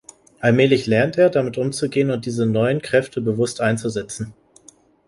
Allmählich lernt er, damit umzugehen und diese neuen Kräfte bewusst einzusetzen.